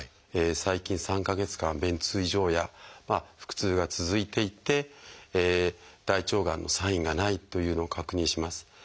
最近３か月間便通異常や腹痛が続いていて大腸がんのサインがないというのを確認します。